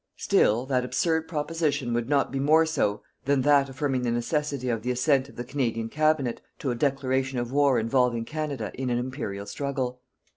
Still that absurd proposition would not be more so than that affirming the necessity of the assent of the Canadian Cabinet, to a declaration of War involving Canada in an Imperial struggle.